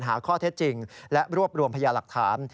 หาข้อเท็จจริงและรวบรวมพยาหลักฐาน